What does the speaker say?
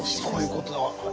そういうことだわ。